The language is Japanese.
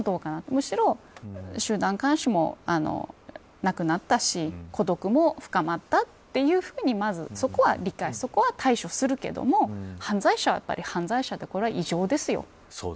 むしろ集団監視もなくなったし孤独も深まったというふうにまずそこは対処するけれども犯罪者はやっぱり犯罪者ですよ。